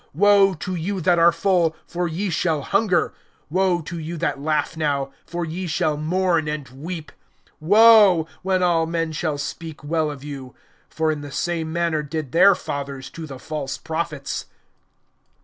(25)Woe to you that are full; for ye shall hunger. Woe to you that laugh now; for ye shall mourn and weep. (26)Woe! when all men shall speak well of you; for in the same manner did their fathers to the false prophets.